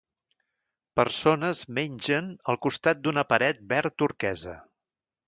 Persones mengen al costat d'una paret verd turquesa.